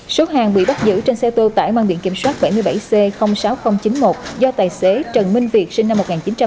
số hàng bị bắt giữ trên xe tư tại mang biện kiểm soát bảy mươi bảy c sáu nghìn chín mươi một do tài xế trần minh việt sinh năm một nghìn chín trăm tám mươi năm